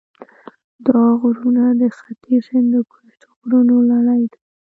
دا غرونه د ختیځ هندوکش د غرونو لړۍ ده.